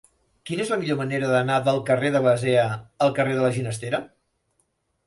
Quina és la millor manera d'anar del carrer de Basea al carrer de la Ginestera?